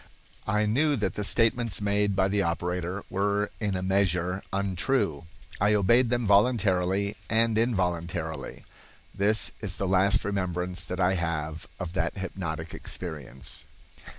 I knew that the statements made by the operator were in a measure untrue. I obeyed them voluntarily and involuntarily. This is the last remembrance that I have of that hypnotic experience."